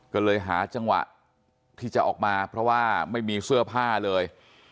ก็เลยหาจังหวะที่จะออกมาเพราะว่าไม่มีเสื้อผ้าเลย